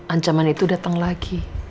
ancaman itu datang lagi